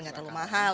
gak terlalu mahal